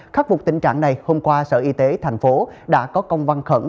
khắc phục tình trạng này hôm qua sở y tế tp hcm đã có công văn khẩn